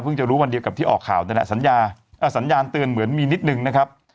เพิ่งจะรู้วันเดียวกับที่ออกข่าวแต่สัญญาณเตือนเหมือนมีนิดนึงนะครับ